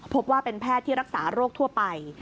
พบว่าเป็นแพทย์ที่รักษาโรคทั่วไป